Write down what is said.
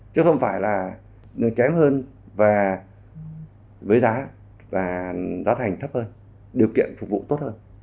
chứ không phải là kém hơn với giá và giá thành thấp hơn điều kiện phục vụ tốt hơn